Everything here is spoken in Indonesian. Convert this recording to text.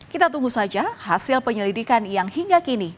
kita tunggu saja hasil penyelidikan yang hingga kini